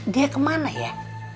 dia kemana ya